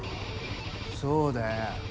そうだよ。